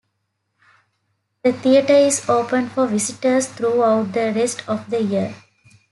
The theatre is open for visitors throughout the rest of the year.